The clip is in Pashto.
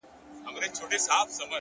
خو ما هچيش له تورو شپو سره يارې کړې ده!!